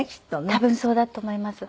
多分そうだと思います。